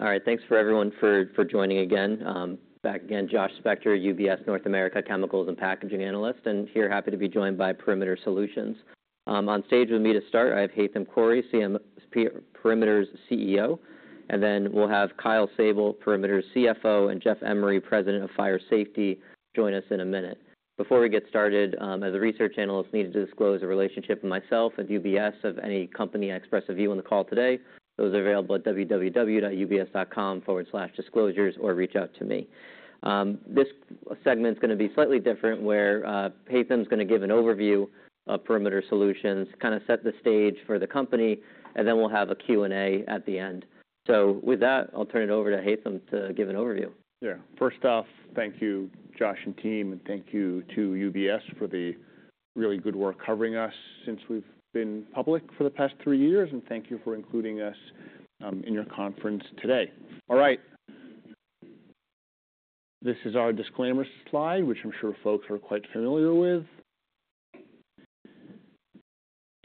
All right, thanks for everyone joining again. Back again, Josh Spector, UBS North America, Chemicals and Packaging Analyst, and here, happy to be joined by Perimeter Solutions. On stage with me to start, I have Haitham Khouri, Perimeter's CEO, and then we'll have Kyle Sable, Perimeter's CFO, and Jeff Emery, President of Fire Safety, join us in a minute. Before we get started, as a research analyst, I need to disclose a relationship with myself at UBS of any company I express a view on the call today. Those are available at www.ubs.com/disclosures, or reach out to me. This segment's gonna be slightly different, where Haitham's gonna give an overview of Perimeter Solutions, kind of set the stage for the company, and then we'll have a Q&A at the end. So with that, I'll turn it over to Haitham to give an overview. Yeah. First off, thank you, Josh and team, and thank you to UBS for the really good work covering us since we've been public for the past three years, and thank you for including us in your conference today. All right. This is our disclaimer slide, which I'm sure folks are quite familiar with.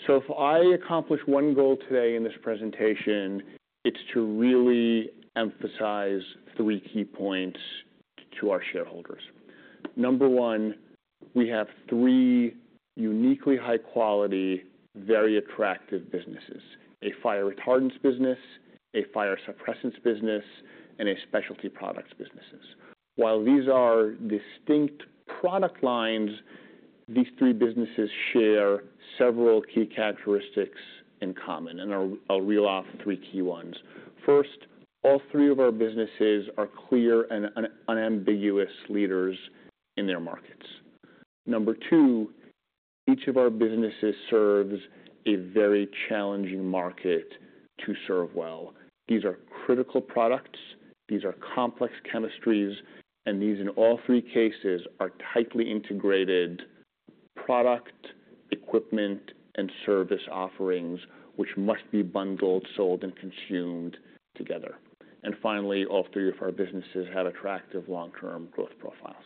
So if I accomplish one goal today in this presentation, it's to really emphasize three key points to our shareholders. Number one, we have three uniquely high quality, very attractive businesses: a Fire Retardants business, a Fire Suppressants business, and a Specialty Products businesses. While these are distinct product lines, these three businesses share several key characteristics in common, and I'll reel off three key ones. First, all three of our businesses are clear and unambiguous leaders in their markets. Number two, each of our businesses serves a very challenging market to serve well. These are critical products, these are complex chemistries, and these, in all three cases, are tightly integrated product, equipment, and service offerings, which must be bundled, sold, and consumed together. And finally, all three of our businesses have attractive long-term growth profiles.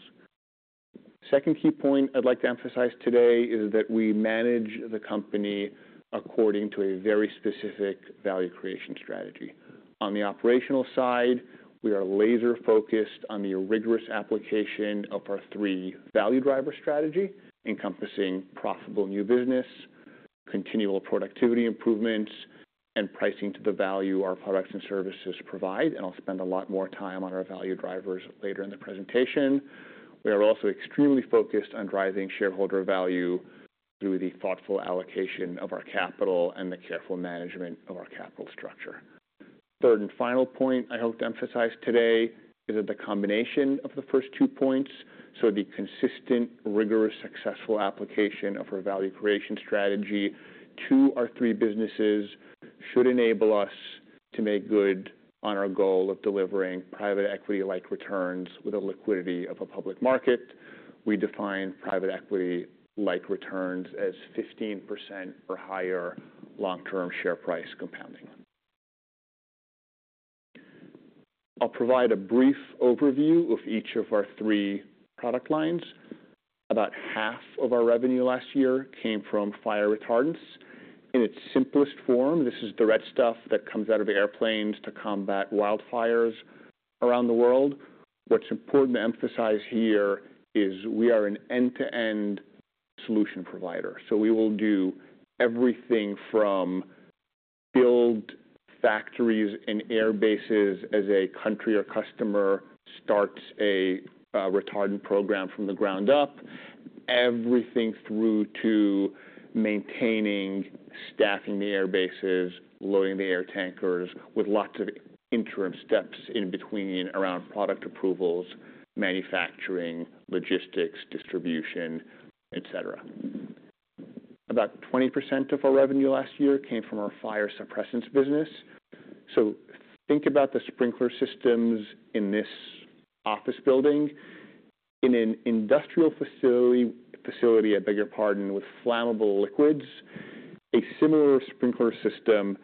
Second key point I'd like to emphasize today is that we manage the company according to a very specific value creation strategy. On the operational side, we are laser-focused on the rigorous application of our three value driver strategy, encompassing profitable new business, continual productivity improvements, and pricing to the value our products and services provide, and I'll spend a lot more time value drivers later in the presentation. We are also extremely focused on driving shareholder value through the thoughtful allocation of our capital and the careful management of our capital structure. Third and final point I hope to emphasize today is that the combination of the first two points, so the consistent, rigorous, successful application of our value creation strategy to our three businesses, should enable us to make good on our goal of delivering private equity-like returns with the liquidity of a public market. We define private equity-like returns as 15% or higher long-term share price compounding. I'll provide a brief overview of each of our three product lines. About half of our revenue last year came from fire retardants. In its simplest form, this is the red stuff that comes out of airplanes to combat wildfires around the world. What's important to emphasize here is we are an end-to-end solution provider, so we will do everything from build factories and airbases as a country or customer starts a retardant program from the ground up, everything through to maintaining, staffing the airbases, loading the air tankers, with lots of interim steps in between around product approvals, manufacturing, logistics, distribution, et cetera. About 20% of our revenue last year came from our Fire Suppressants business. So think about the sprinkler systems in this office building. In an industrial facility, I beg your pardon, with flammable liquids, a similar sprinkler system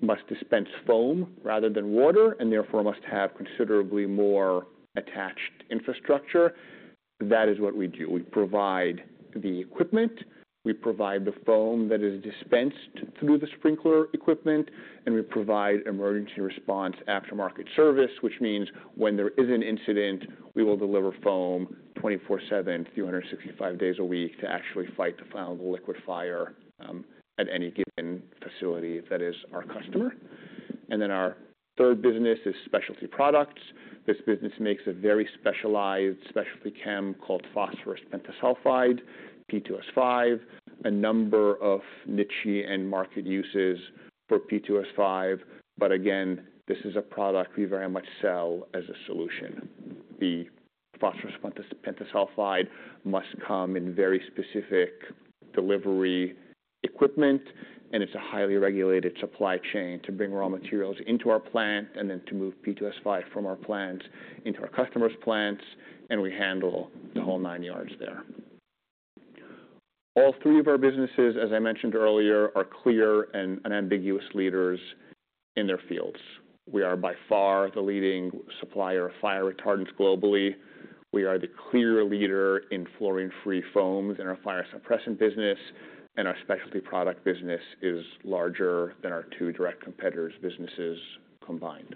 must dispense foam rather than water, and therefore must have considerably more attached infrastructure. That is what we do. We provide the equipment, we provide the foam that is dispensed through the sprinkler equipment, and we provide emergency response aftermarket service, which means when there is an incident, we will deliver foam 24/7, 365 days a week, to actually fight the flammable liquid fire at any given facility that is our customer. And then our third business is Specialty Products. This business makes a very specialized specialty chem called phosphorus pentasulfide, P2S5, a number of niche and market uses for P2S5. But again, this is a product we very much sell as a solution. The phosphorus pentasulfide must come in very specific delivery equipment, and it's a highly regulated supply chain to bring raw materials into our plant and then to move P2S5 from our plants into our customers' plants, and we handle the whole nine yards there. All three of our businesses, as I mentioned earlier, are clear and unambiguous leaders in their fields. We are by far the leading supplier of Fire Retardants globally. We are the clear leader in fluorine-free foams in our Fire Suppressant business, and our Specialty Product business is larger than our two direct competitors' businesses combined.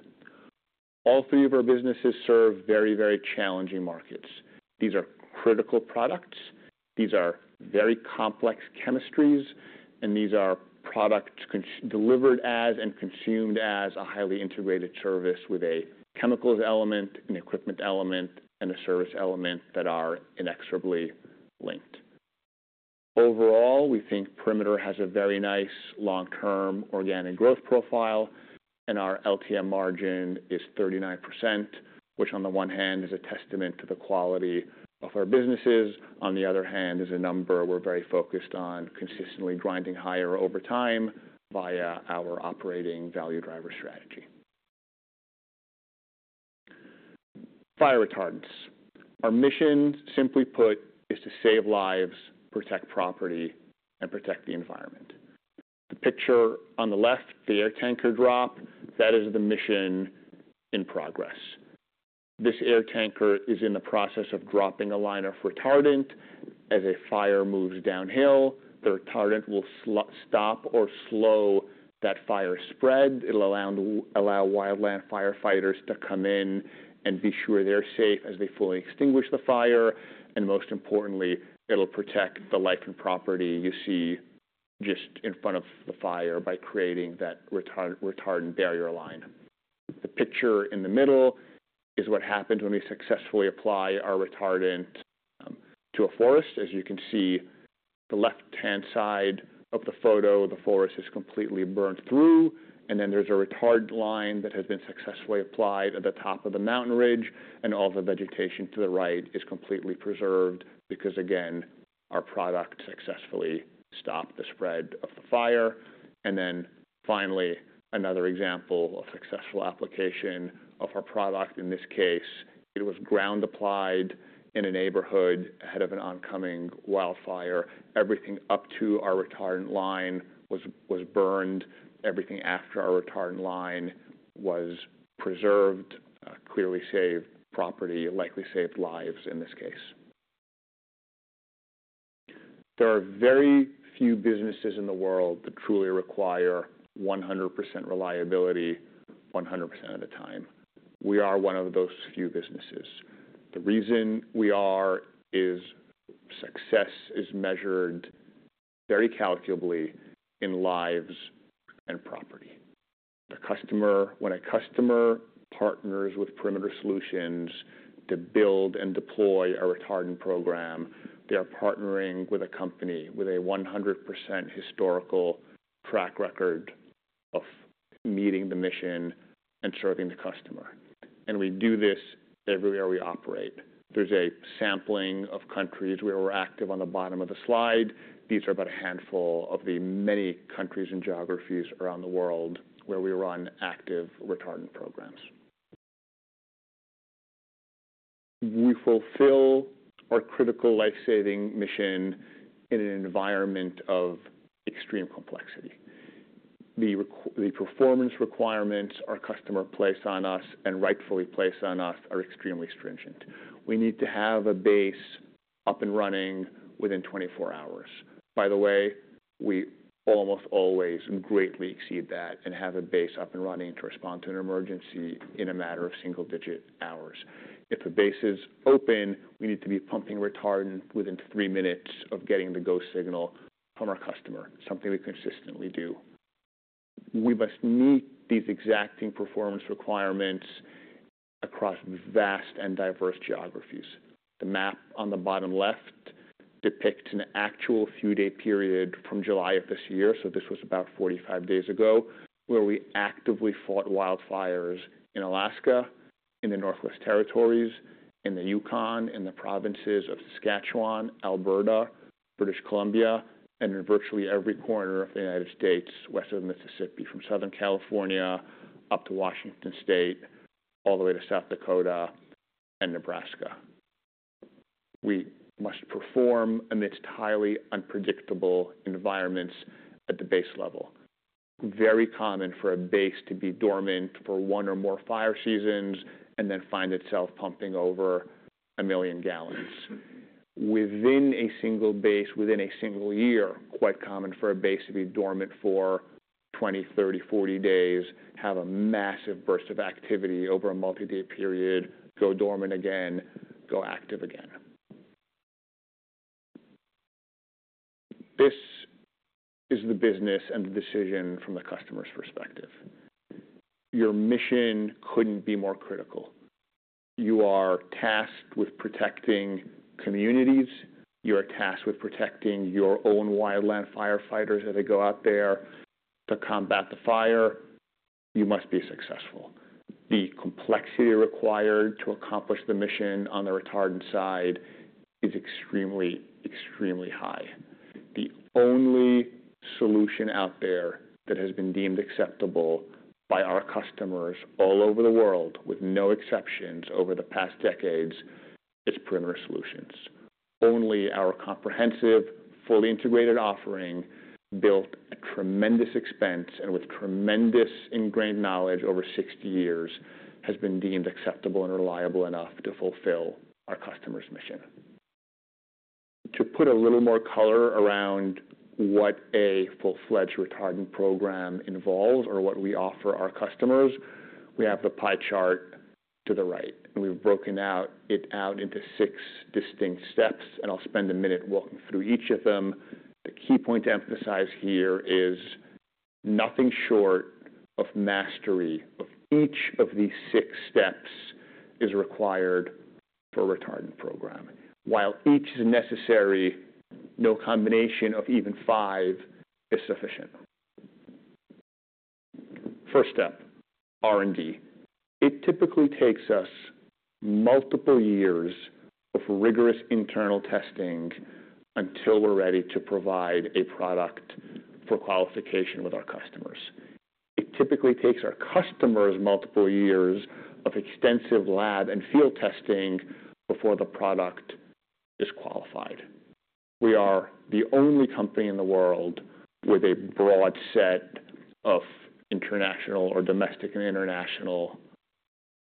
All three of our businesses serve very, very challenging markets. These are critical products, these are very complex chemistries, and these are products delivered as and consumed as a highly integrated service with a chemicals element, an equipment element, and a service element that are inexorably linked. Overall, we think Perimeter has a very nice long-term organic growth profile, and our LTM margin is 39%, which on the one hand, is a testament to the quality of our businesses. On the other hand, is a number we're very focused on consistently grinding higher over time via our operating value driver strategy. Fire Retardants. Our mission, simply put, is to save lives, protect property, and protect the environment. The picture on the left, the air tanker drop, that is the mission in progress. This air tanker is in the process of dropping a line of retardant. As a fire moves downhill, the retardant will stop or slow that fire spread. It'll allow wildland firefighters to come in and be sure they're safe as they fully extinguish the fire, and most importantly, it'll protect the life and property you see just in front of the fire by creating that retardant barrier line. The picture in the middle is what happens when we successfully apply our retardant to a forest. As you can see, the left-hand side of the photo, the forest is completely burnt through, and then there's a retardant line that has been successfully applied at the top of the mountain ridge, and all the vegetation to the right is completely preserved because, again, our product successfully stopped the spread of the fire. And then finally, another example of successful application of our product. In this case, it was ground applied in a neighborhood ahead of an oncoming wildfire. Everything up to our retardant line was burned. Everything after our retardant line was preserved, clearly saved property, and likely saved lives in this case. There are very few businesses in the world that truly require 100% reliability 100% of the time. We are one of those few businesses. The reason we are, is success is measured very calculably in lives and property. When a customer partners with Perimeter Solutions to build and deploy a retardant program, they are partnering with a company with a 100% historical track record of meeting the mission and serving the customer, and we do this everywhere we operate. There's a sampling of countries where we're active on the bottom of the slide. These are but a handful of the many countries and geographies around the world where we run active retardant programs. We fulfill our critical life-saving mission in an environment of extreme complexity. The performance requirements our customer place on us and rightfully place on us are extremely stringent. We need to have a base up and running within 24 hours. By the way, we almost always greatly exceed that and have a base up and running to respond to an emergency in a matter of single-digit hours. If a base is open, we need to be pumping retardant within three minutes of getting the go signal from our customer, something we consistently do. We must meet these exacting performance requirements across vast and diverse geographies. The map on the bottom left depicts an actual few-day period from July of this year, so this was about 45 days ago, where we actively fought wildfires in Alaska, in the Northwest Territories, in the Yukon, in the provinces of Saskatchewan, Alberta, British Columbia, and in virtually every corner of the United States, west of the Mississippi, from Southern California up to Washington State, all the way to South Dakota and Nebraska. We must perform amidst highly unpredictable environments at the base level. Very common for a base to be dormant for one or more fire seasons, and then find itself pumping over a million gallons. Within a single base, within a single year, quite common for a base to be dormant for 20, 30, 40 days, have a massive burst of activity over a multi-day period, go dormant again, go active again. This is the business and the decision from the customer's perspective. Your mission couldn't be more critical. You are tasked with protecting communities. You are tasked with protecting your own wildland firefighters as they go out there to combat the fire. You must be successful. The complexity required to accomplish the mission on the retardant side is extremely, extremely high. The only solution out there that has been deemed acceptable by our customers all over the world, with no exceptions over the past decades, is Perimeter Solutions. Only our comprehensive, fully integrated offering, built at tremendous expense and with tremendous ingrained knowledge over 60 years, has been deemed acceptable and reliable enough to fulfill our customers' mission. To put a little more color around what a full-fledged retardant program involves or what we offer our customers, we have the pie chart to the right, and we've broken it out into six distinct steps, and I'll spend a minute walking through each of them. The key point to emphasize here is nothing short of mastery of each of these six steps is required for a retardant program. While each is necessary, no combination of even five is sufficient. First step, R&D. It typically takes us multiple years of rigorous internal testing until we're ready to provide a product for qualification with our customers. It typically takes our customers multiple years of extensive lab and field testing before the product is qualified. We are the only company in the world with a broad set of international or domestic and international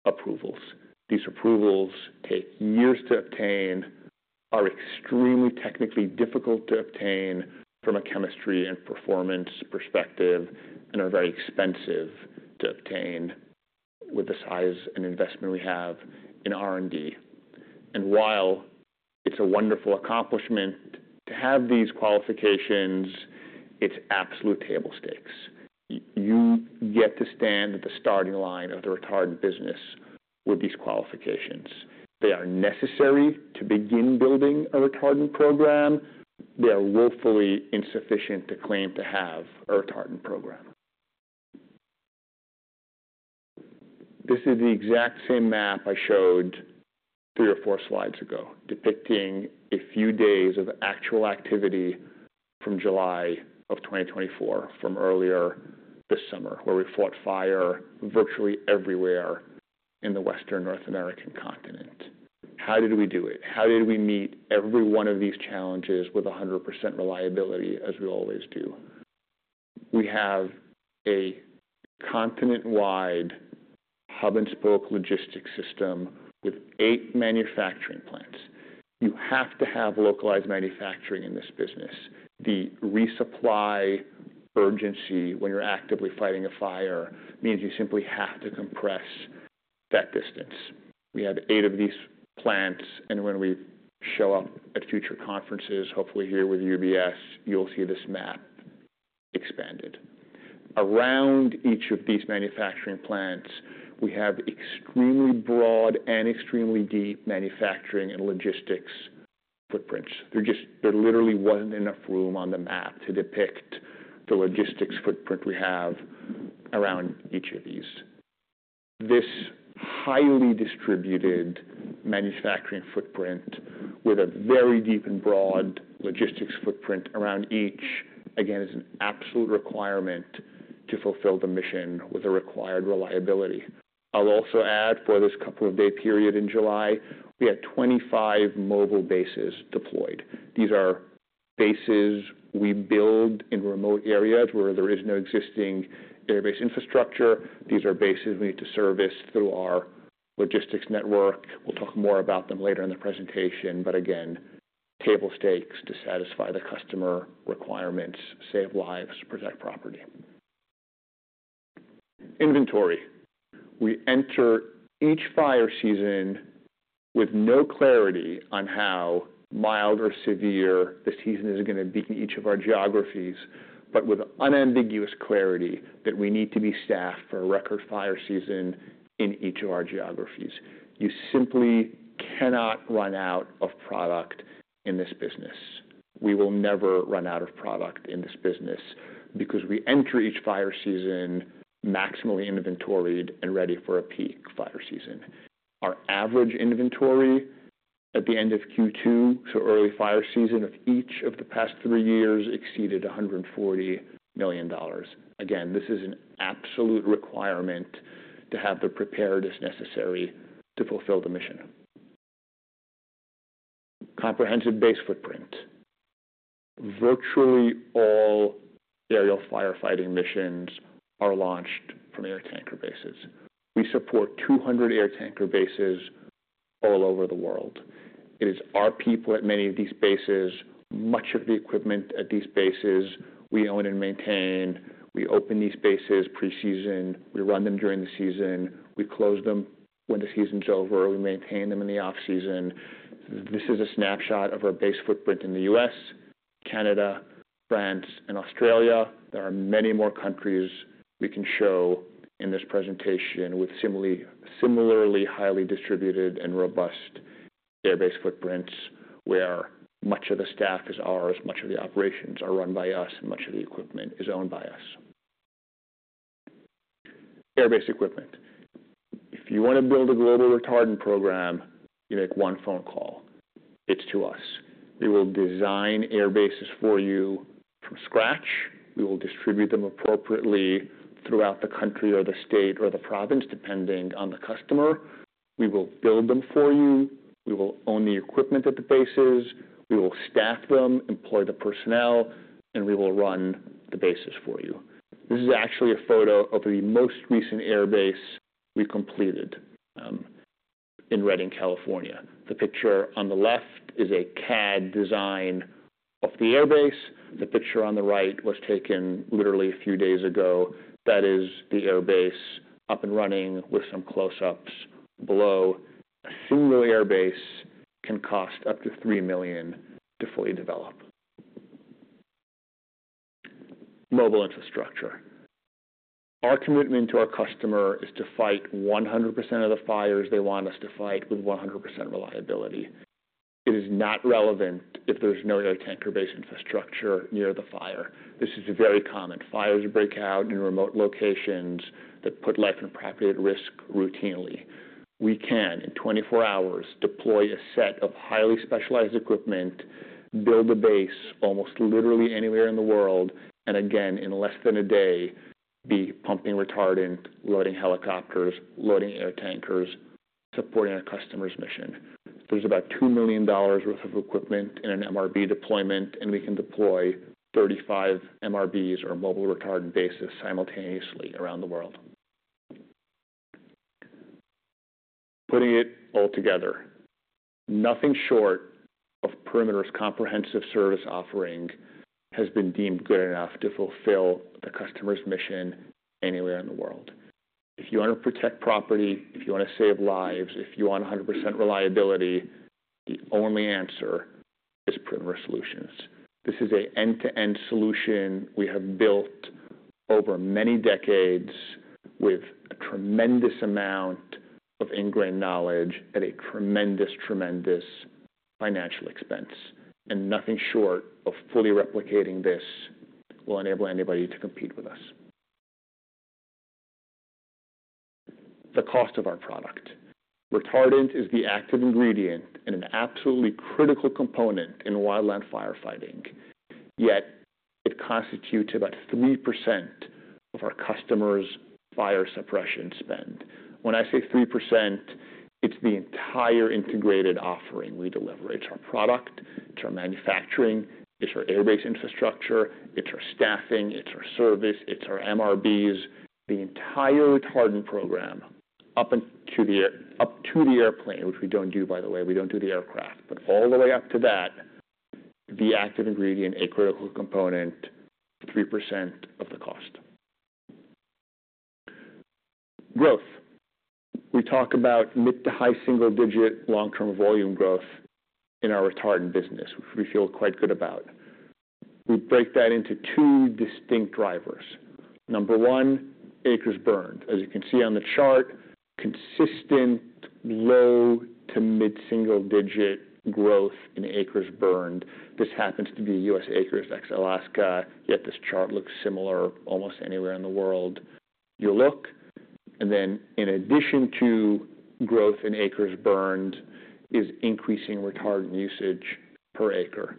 approvals. These approvals take years to obtain, are extremely technically difficult to obtain from a chemistry and performance perspective, and are very expensive to obtain with the size and investment we have in R&D. While it's a wonderful accomplishment to have these qualifications, it's absolute table stakes. You get to stand at the starting line of the Retardant business with these qualifications. They are necessary to begin building a retardant program. They are woefully insufficient to claim to have a retardant program. This is the exact same map I showed three or four slides ago, depicting a few days of actual activity from July of 2024, from earlier this summer, where we fought fire virtually everywhere in the Western North American continent. How did we do it? How did we meet every one of these challenges with 100% reliability, as we always do? We have a continent-wide hub-and-spoke logistics system with eight manufacturing plants. You have to have localized manufacturing in this business. The resupply urgency when you're actively fighting a fire means you simply have to compress that distance. We have eight of these plants, and when we show up at future conferences, hopefully here with UBS, you'll see this map expanded. Around each of these manufacturing plants, we have extremely broad and extremely deep manufacturing and logistics footprints. There literally wasn't enough room on the map to depict the logistics footprint we have around each of these. This highly distributed manufacturing footprint, with a very deep and broad logistics footprint around each, again, is an absolute requirement to fulfill the mission with the required reliability. I'll also add for this couple of day period in July, we had 25 mobile bases deployed. These are bases we build in remote areas where there is no existing airbase infrastructure. These are bases we need to service through our logistics network. We'll talk more about them later in the presentation, but again, table stakes to satisfy the customer requirements, save lives, protect property. Inventory. We enter each fire season with no clarity on how mild or severe the season is going to be in each of our geographies, but with unambiguous clarity that we need to be staffed for a record fire season in each of our geographies. You simply cannot run out of product in this business. We will never run out of product in this business, because we enter each fire season maximally inventoried and ready for a peak fire season. Our average inventory at the end of Q2 to early fire season of each of the past three years exceeded $140 million. Again, this is an absolute requirement to have the preparedness necessary to fulfill the mission. Comprehensive base footprint. Virtually all aerial firefighting missions are launched from air tanker bases. We support 200 air tanker bases all over the world. It is our people at many of these bases. Much of the equipment at these bases we own and maintain. We open these bases pre-season. We run them during the season. We close them when the season's over. We maintain them in the off-season. This is a snapshot of our base footprint in the U.S., Canada, France, and Australia. There are many more countries we can show in this presentation with similarly highly distributed and robust airbase footprints, where much of the staff is ours, much of the operations are run by us, and much of the equipment is owned by us. Airbase equipment. If you want to build a global retardant program, you make one phone call. It's to us. We will design airbases for you from scratch. We will distribute them appropriately throughout the country or the state or the province, depending on the customer. We will build them for you. We will own the equipment at the bases. We will staff them, employ the personnel, and we will run the bases for you. This is actually a photo of the most recent air base we've completed in Redding, California. The picture on the left is a CAD design of the air base. The picture on the right was taken literally a few days ago. That is the air base up and running with some close-ups below. A single air base can cost up to $3 million to fully develop. Mobile infrastructure. Our commitment to our customer is to fight 100% of the fires they want us to fight, with 100% reliability. It is not relevant if there's no air tanker base infrastructure near the fire. This is very common. Fires break out in remote locations that put life and property at risk routinely. We can, in 24 hours, deploy a set of highly specialized equipment, build a base almost literally anywhere in the world, and again, in less than a day, be pumping retardant, loading helicopters, loading air tankers, supporting our customer's mission. There's about $2 million worth of equipment in an MRB deployment, and we can deploy 35 MRBs or mobile retardant bases simultaneously around the world. Putting it all together, nothing short of Perimeter's comprehensive service offering has been deemed good enough to fulfill the customer's mission anywhere in the world. If you want to protect property, if you want to save lives, if you want 100% reliability, the only answer is Perimeter Solutions. This is an end-to-end solution we have built over many decades with a tremendous amount of ingrained knowledge at a tremendous, tremendous financial expense, and nothing short of fully replicating this will enable anybody to compete with us. The cost of our product, Retardant, is the active ingredient and an absolutely critical component in wildland firefighting, yet it constitutes about 3% of our customers' fire suppression spend. When I say 3%, it's the entire integrated offering we deliver. It's our product, it's our manufacturing, it's our airbase infrastructure, it's our staffing, it's our service, it's our MRBs. The entire retardant program, up into the air, up to the airplane, which we don't do, by the way, we don't do the aircraft, but all the way up to that, the active ingredient, a critical component, 3% of the cost. Growth. We talk about mid- to high-single-digit long-term volume growth in our Retardant business, which we feel quite good about. We break that into two distinct drivers. Number one, acres burned. As you can see on the chart, consistent, low- to mid-single-digit growth in acres burned. This happens to be U.S. acres, ex-Alaska, yet this chart looks similar almost anywhere in the world you look. And then in addition to growth in acres burned, is increasing retardant usage per acre.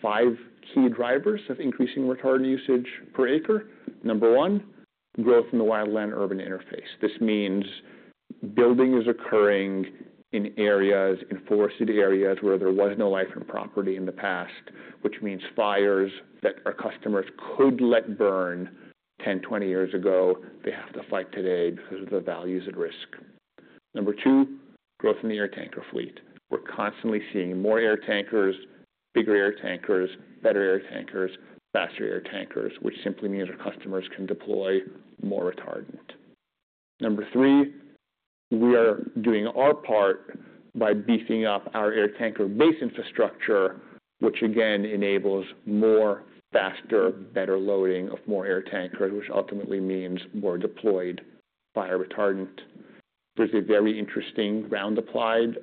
Five key drivers of increasing retardant usage per acre. Number one, growth in the wildland urban interface. This means building is occurring in areas, in forested areas, where there was no life and property in the past, which means fires that our customers could let burn 10, 20 years ago, they have to fight today because of the values at risk. Number two, growth in the air tanker fleet. We're constantly seeing more air tankers, bigger air tankers, better air tankers, faster air tankers, which simply means our customers can deploy more retardant. Number three, we are doing our part by beefing up our air tanker base infrastructure, which again, enables more, faster, better loading of more air tankers, which ultimately means more deployed fire retardant. There's a very interesting ground applied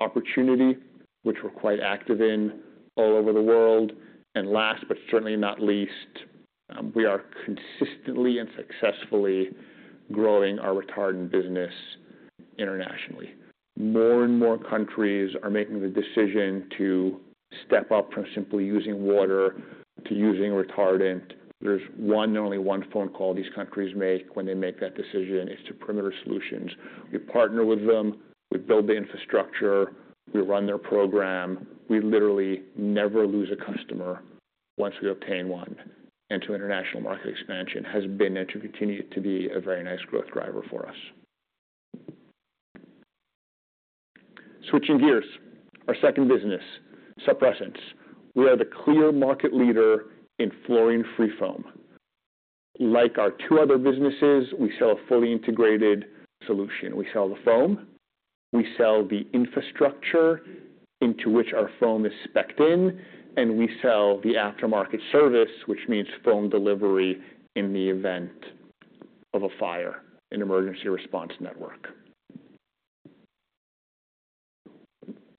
opportunity, which we're quite active in all over the world. And last, but certainly not least, we are consistently and successfully growing our Retardant business internationally. More and more countries are making the decision to step up from simply using water to using retardant. There's one and only one phone call these countries make when they make that decision, is to Perimeter Solutions. We partner with them, we build the infrastructure, we run their program. We literally never lose a customer once we obtain one and our international market expansion has been and will continue to be a very nice growth driver for us. Switching gears. Our second business, Suppressants. We are the clear market leader in fluorine-free foam. Like our two other businesses, we sell a fully integrated solution. We sell the foam, we sell the infrastructure into which our foam is spec'd in, and we sell the aftermarket service, which means foam delivery in the event of a fire, an emergency response network.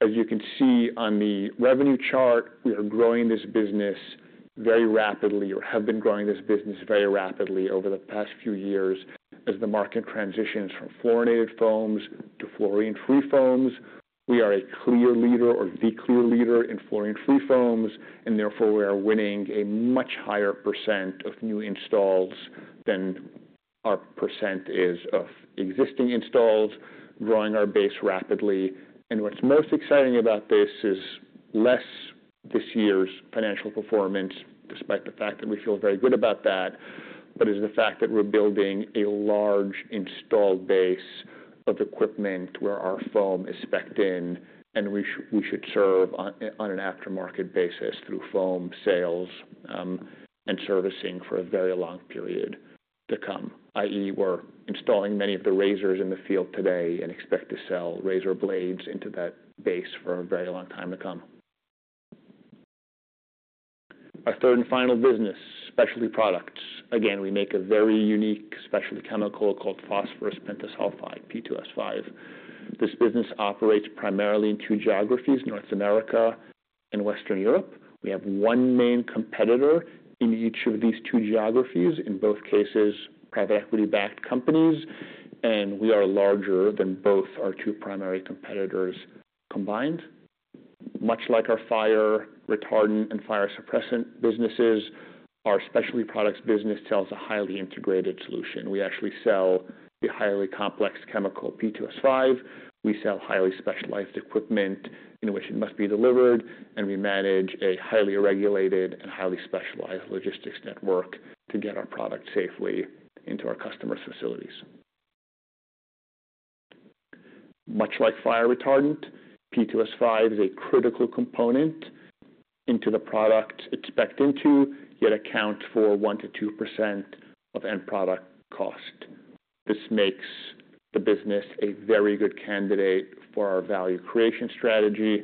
As you can see on the revenue chart, we are growing this business very rapidly, or have been growing this business very rapidly over the past few years. As the market transitions from fluorinated foams to fluorine-free foams, we are a clear leader or the clear leader in fluorine-free foams, and therefore we are winning a much higher percent of new installs than our percent is of existing installs, growing our base rapidly. What's most exciting about this is this year's financial performance, despite the fact that we feel very good about that, but is the fact that we're building a large installed base of equipment where our foam is spec'd in, and we should serve on an aftermarket basis through foam sales, and servicing for a very long period to come, i.e., we're installing many of the razors in the field today and expect to sell razor blades into that base for a very long time to come. Our third and final business, Specialty Products. Again, we make a very unique specialty chemical called phosphorus pentasulfide, P2S5. This business operates primarily in two geographies, North America and Western Europe. We have one main competitor in each of these two geographies, in both cases, private equity-backed companies, and we are larger than both our two primary competitors combined. Much like our Fire Retardant and Fire Suppressant businesses, our Specialty Products business sells a highly integrated solution. We actually sell the highly complex chemical P2S5. We sell highly specialized equipment in which it must be delivered, and we manage a highly regulated and highly specialized logistics network to get our product safely into our customers' facilities. Much like Fire Retardant, P2S5 is a critical component into the product it's spec'd into, yet accounts for 1%-2% of end product cost. This makes the business a very good candidate for our value creation strategy,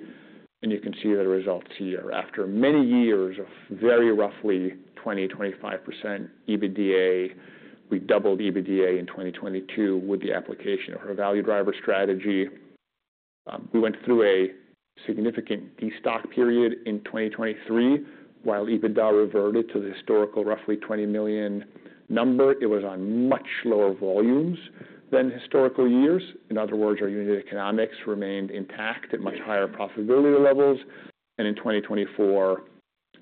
and you can see the results here. After many years of very roughly 20%-25% EBITDA, we doubled EBITDA in 2022 with the application of value driver strategy. We went through a significant destock period in 2023, while EBITDA reverted to the historical, roughly $20 million number. It was on much lower volumes than historical years. In other words, our unit economics remained intact at much higher profitability levels. And in 2024,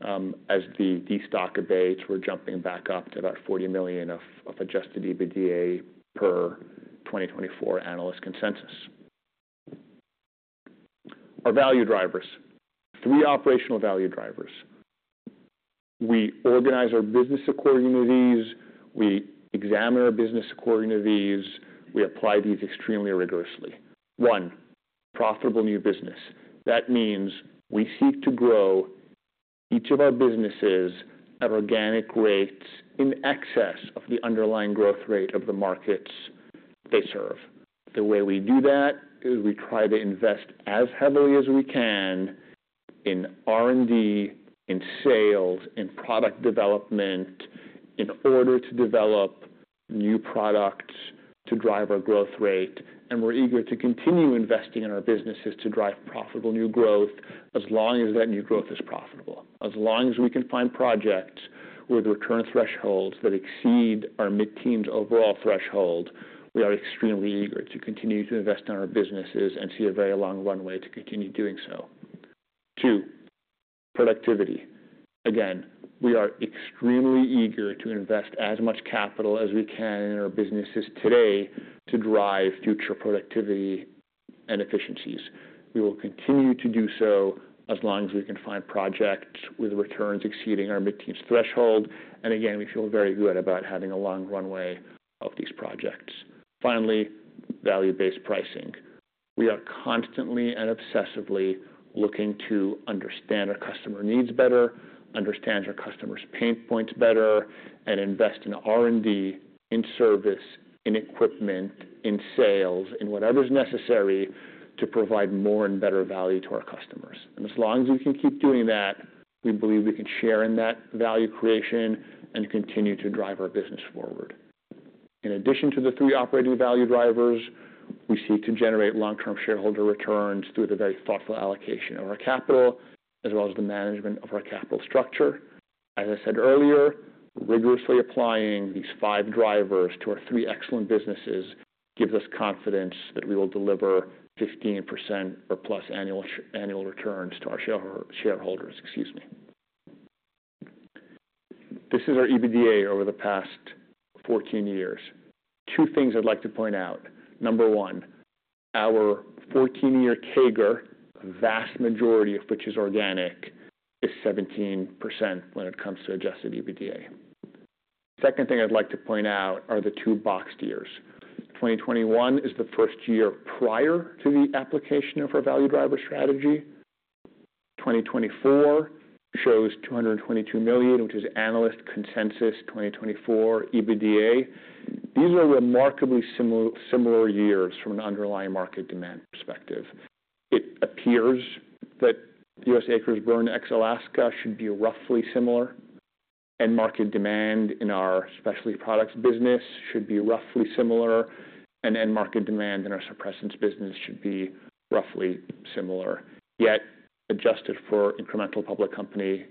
as the destock abates, we're jumping back up to about $40 million of adjusted EBITDA per 2024 analyst consensus. Our value drivers. Three value drivers. We organize our business according to these, we examine our business according to these, we apply these extremely rigorously. One, profitable new business. That means we seek to grow each of our businesses at organic rates in excess of the underlying growth rate of the markets they serve. The way we do that is we try to invest as heavily as we can in R&D, in sales, in product development, in order to develop new products to drive our growth rate, and we're eager to continue investing in our businesses to drive profitable new growth, as long as that new growth is profitable. As long as we can find projects with return thresholds that exceed our mid-teens overall threshold, we are extremely eager to continue to invest in our businesses and see a very long runway to continue doing so. Two, productivity. Again, we are extremely eager to invest as much capital as we can in our businesses today to drive future productivity and efficiencies. We will continue to do so as long as we can find projects with returns exceeding our mid-teens threshold, and again, we feel very good about having a long runway of these projects. Finally, value-based pricing. We are constantly and obsessively looking to understand our customer needs better, understand our customers' pain points better, and invest in R&D, in service, in equipment, in sales, in whatever's necessary to provide more and better value to our customers. And as long as we can keep doing that, we believe we can share in that value creation and continue to drive our business forward. In addition to the three value drivers, we seek to generate long-term shareholder returns through the very thoughtful allocation of our capital, as well as the management of our capital structure. As I said earlier, rigorously applying these five drivers to our three excellent businesses gives us confidence that we will deliver 15% or plus annual returns to our shareholders, excuse me. This is our EBITDA over the past 14 years. Two things I'd like to point out. Number one, our 14-year CAGR, the vast majority of which is organic, is 17% when it comes to adjusted EBITDA. Second thing I'd like to point out are the two boxed years. 2021 is the first year prior to the application of our value driver strategy. 2024 shows $222 million, which is analyst consensus, 2024 EBITDA. These are remarkably similar, similar years from an underlying market demand perspective. It appears that U.S. acres burn ex-Alaska should be roughly similar, and market demand in our Specialty Products business should be roughly similar, and end market demand in our Suppressants business should be roughly similar. Yet, adjusted for incremental public company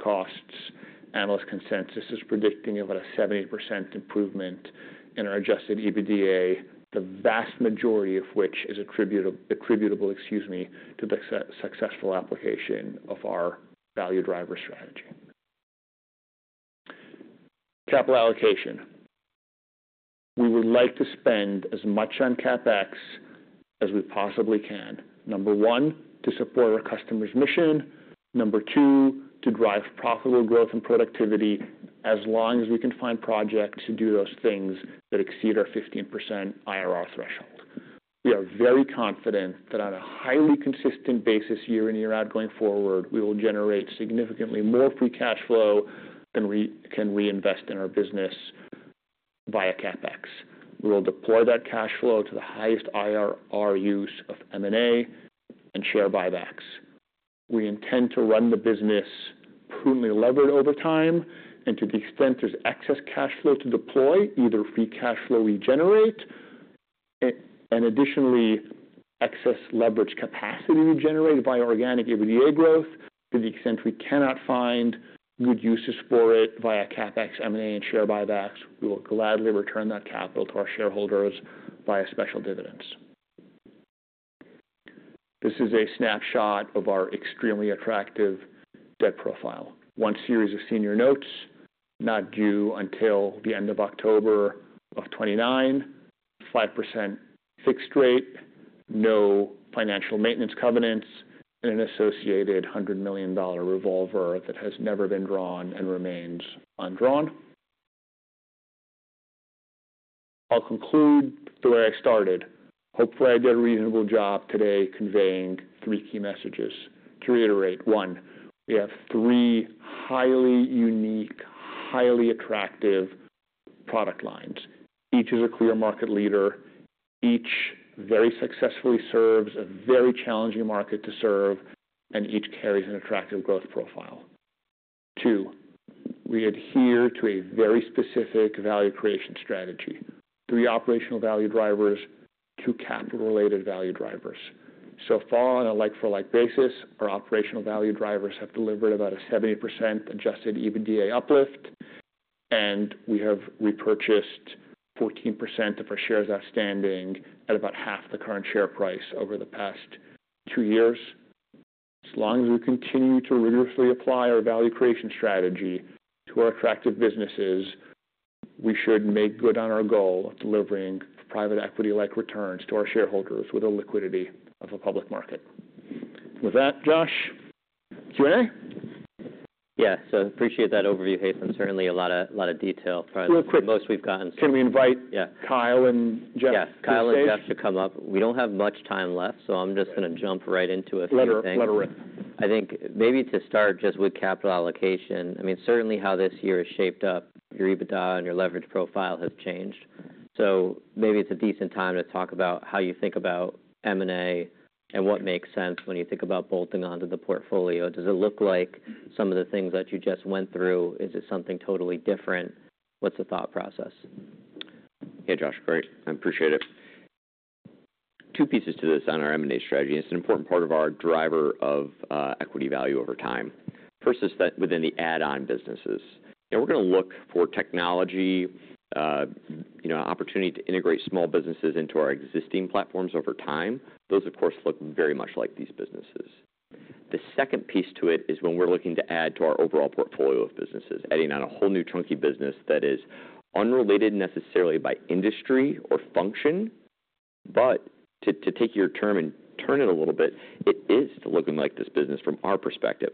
costs, analyst consensus is predicting about a 70% improvement in our adjusted EBITDA, the vast majority of which is attributable, excuse me, to the successful application of our value driver strategy. Capital allocation. We would like to spend as much on CapEx as we possibly can. Number one, to support our customer's mission. Number two, to drive profitable growth and productivity as long as we can find projects to do those things that exceed our 15% IRR threshold. We are very confident that on a highly consistent basis, year in, year out, going forward, we will generate significantly more free cash flow than we can reinvest in our business via CapEx. We will deploy that cash flow to the highest IRR use of M&A and share buybacks. We intend to run the business prudently levered over time, and to the extent there's excess cash flow to deploy, either free cash flow we generate, and additionally, excess leverage capacity we generate by organic EBITDA growth. To the extent we cannot find good uses for it via CapEx, M&A, and share buybacks, we will gladly return that capital to our shareholders via special dividends. This is a snapshot of our extremely attractive debt profile. One series of senior notes, not due until the end of October 2029, 5% fixed rate, no financial maintenance covenants, and an associated $100 million revolver that has never been drawn and remains undrawn. I'll conclude the way I started. Hopefully, I did a reasonable job today conveying three key messages. To reiterate, one, we have three highly unique, highly attractive product lines. Each is a clear market leader, each very successfully serves a very challenging market to serve, and each carries an attractive growth profile. Two, we adhere to a very specific value creation strategy, three value drivers, two value drivers. So far, on a like-for-like basis, our value drivers have delivered about a 70% adjusted EBITDA uplift, and we have repurchased 14% of our shares outstanding at about half the current share price over the past two years. As long as we continue to rigorously apply our value creation strategy to our attractive businesses, we should make good on our goal of delivering private equity-like returns to our shareholders with the liquidity of a public market. With that, Josh, Q&A? Yeah. So appreciate that overview, Haitham. Certainly a lot of detail- Real quick. The most we've gotten. Can we invite- Yeah. Kyle and Jeff to the stage? Yes, Kyle and Jeff to come up. We don't have much time left, so I'm just gonna jump right into a few things. Let's hear it. I think maybe to start just with capital allocation, I mean, certainly how this year has shaped up, your EBITDA and your leverage profile has changed. So maybe it's a decent time to talk about how you think about M&A and what makes sense when you think about bolting onto the portfolio. Does it look like some of the things that you just went through? Is it something totally different? What's the thought process? Hey, Josh. Great. I appreciate it. Two pieces to this on our M&A strategy, and it's an important part of our driver of equity value over time. First, is that within the add-on businesses, and we're gonna look for technology, you know, opportunity to integrate small businesses into our existing platforms over time. Those, of course, look very much like these businesses. The second piece to it is when we're looking to add to our overall portfolio of businesses, adding on a whole new chunky business that is unrelated necessarily by industry or function. But to take your term and turn it a little bit, it is looking like this business from our perspective.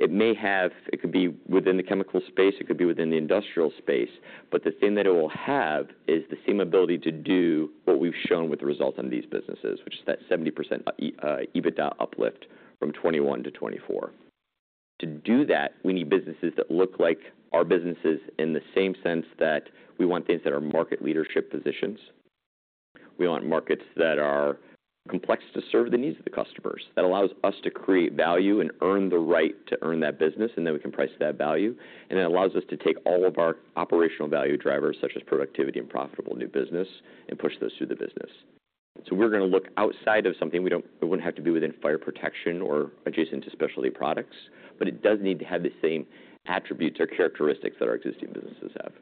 It may have... It could be within the chemical space, it could be within the industrial space, but the thing that it will have is the same ability to do what we've shown with the results on these businesses, which is that 70% EBITDA uplift from 2021 to 2024. To do that, we need businesses that look like our businesses in the same sense that we want things that are market leadership positions. We want markets that are complex to serve the needs of the customers. That allows us to create value and earn the right to earn that business, and then we can price that value. It allows us to take all of our value drivers, such as productivity and profitable new business, and push those through the business. So we're gonna look outside of something we don't. It wouldn't have to be within fire protection or adjacent to Specialty Products, but it does need to have the same attributes or characteristics that our existing businesses have.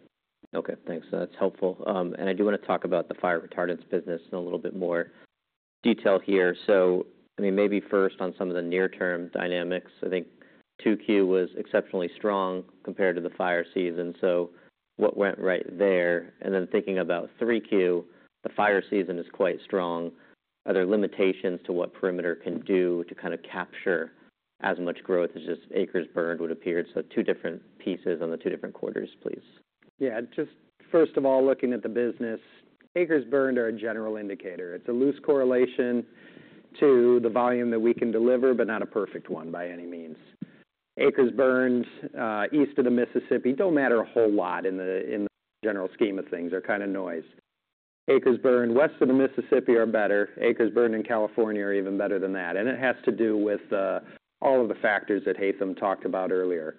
Okay, thanks. That's helpful. And I do want to talk about the Fire Retardants business in a little bit more detail here. So, I mean, maybe first on some of the near-term dynamics. I think 2Q was exceptionally strong compared to the fire season, so what went right there? And then thinking about 3Q, the fire season is quite strong. Are there limitations to what Perimeter can do to kind of capture as much growth as just acres burned would appear? So two different pieces on the two different quarters, please. Yeah, just first of all, looking at the business, acres burned are a general indicator. It's a loose correlation to the volume that we can deliver, but not a perfect one by any means. Acres burned east of the Mississippi don't matter a whole lot in the general scheme of things. They're kind of noise. Acres burned west of the Mississippi are better. Acres burned in California are even better than that, and it has to do with all of the factors that Haitham talked about earlier.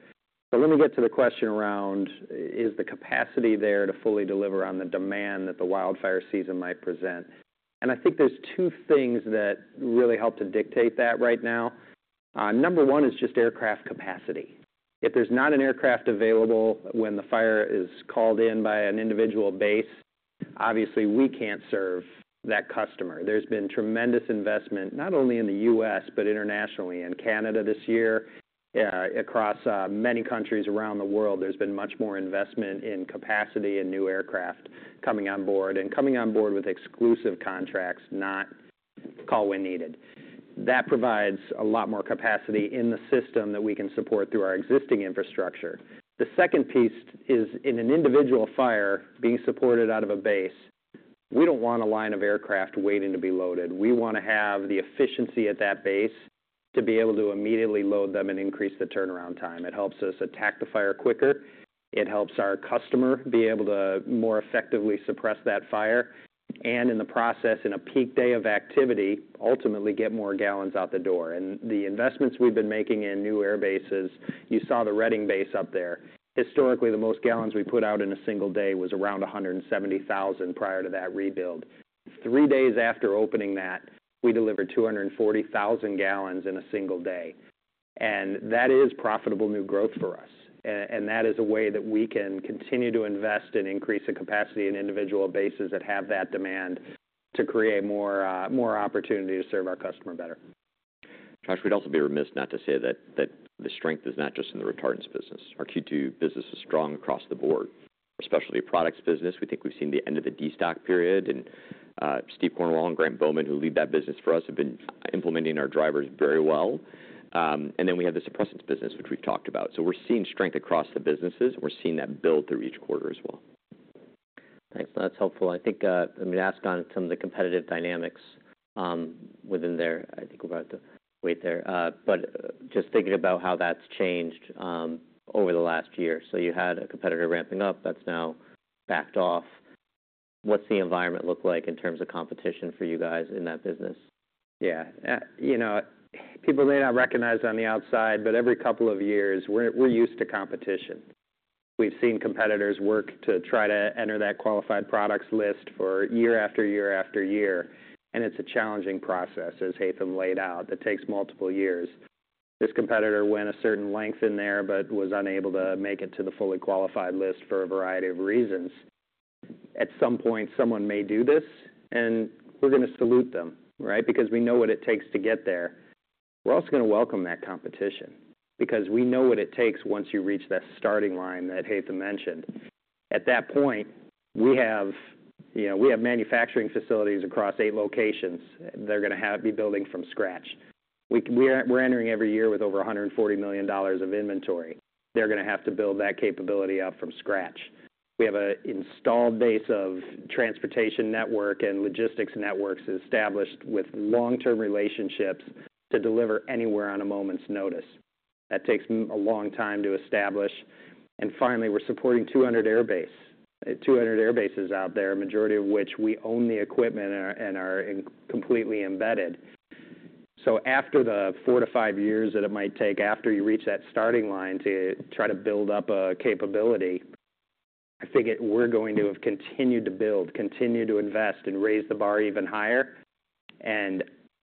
But let me get to the question around: Is the capacity there to fully deliver on the demand that the wildfire season might present? And I think there's two things that really help to dictate that right now. Number one is just aircraft capacity. If there's not an aircraft available when the fire is called in by an individual base, obviously, we can't serve that customer. There's been tremendous investment, not only in the U.S., but internationally. In Canada this year, across many countries around the world, there's been much more investment in capacity and new aircraft coming on board, and coming on board with exclusive contracts, not call when needed. That provides a lot more capacity in the system that we can support through our existing infrastructure. The second piece is, in an individual fire being supported out of a base, we don't want a line of aircraft waiting to be loaded. We wanna have the efficiency at that base to be able to immediately load them and increase the turnaround time. It helps us attack the fire quicker. It helps our customer be able to more effectively suppress that fire, and in the process, in a peak day of activity, ultimately get more gallons out the door. And the investments we've been making in new airbases, you saw the Redding base up there. Historically, the most gallons we put out in a single day was around a hundred and seventy thousand prior to that rebuild. Three days after opening that, we delivered two hundred and forty thousand gallons in a single day, and that is profitable new growth for us. And that is a way that we can continue to invest and increase the capacity in individual bases that have that demand to create more, more opportunity to serve our customer better. Josh, we'd also be remiss not to say that the strength is not just in the Retardants business. Our Q2 business is strong across the board, especially products business. We think we've seen the end of the destock period, and Steve Cornwell and Grant Bowman, who lead that business for us, have been implementing our drivers very well. And then we have the suppressants business, which we've talked about. So we're seeing strength across the businesses, and we're seeing that build through each quarter as well. Thanks. That's helpful. I think, let me ask on some of the competitive dynamics within there. I think we'll have to wait there, but just thinking about how that's changed over the last year, so you had a competitor ramping up, that's now backed off. What's the environment look like in terms of competition for you guys in that business? Yeah, you know, people may not recognize on the outside, but every couple of years, we're used to competition. We've seen competitors work to try to enter that Qualified Products List for year after year after year, and it's a challenging process, as Haitham laid out, that takes multiple years. This competitor went a certain length in there, but was unable to make it to the fully qualified list for a variety of reasons. At some point, someone may do this, and we're gonna salute them, right? Because we know what it takes to get there. We're also gonna welcome that competition because we know what it takes once you reach that starting line that Haitham mentioned. At that point, you know, we have manufacturing facilities across eight locations. They're gonna have to be building from scratch. We're entering every year with over $140 million of inventory. They're gonna have to build that capability up from scratch. We have an installed base of transportation network and logistics networks established with long-term relationships to deliver anywhere on a moment's notice. That takes a long time to establish. Finally, we're supporting 200 airbases out there, majority of which we own the equipment and are completely embedded. After the four to five years that it might take, after you reach that starting line to try to build up a capability, I figure we're going to have continued to build, continue to invest, and raise the bar even higher.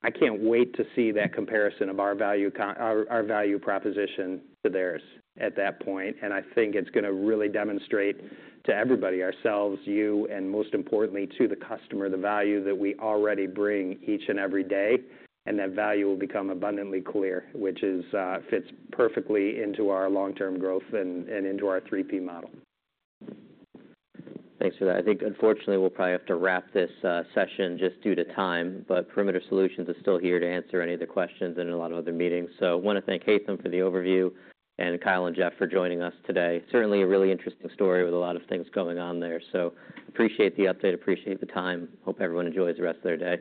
I can't wait to see that comparison of our value proposition to theirs at that point. And I think it's gonna really demonstrate to everybody, ourselves, you, and most importantly, to the customer, the value that we already bring each and every day, and that value will become abundantly clear, which fits perfectly into our long-term growth and into our three P model. Thanks for that. I think unfortunately, we'll probably have to wrap this session just due to time, but Perimeter Solutions is still here to answer any of the questions in a lot of other meetings. So I wanna thank Haitham for the overview, and Kyle and Jeff for joining us today. Certainly, a really interesting story with a lot of things going on there. So appreciate the update, appreciate the time. Hope everyone enjoys the rest of their day.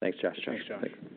Thanks, Josh. Thanks, Josh.